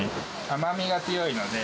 甘みが強いので。